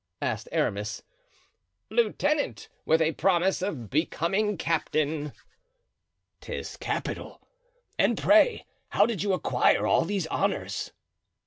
asked Aramis. "Lieutenant, with a promise of becoming captain." "'Tis capital; and pray, how did you acquire all these honors?"